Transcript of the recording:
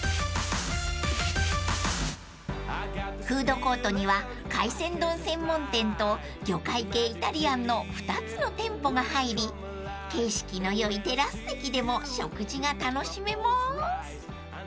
［フードコートには海鮮丼専門店と魚介系イタリアンの２つの店舗が入り景色の良いテラス席でも食事が楽しめます］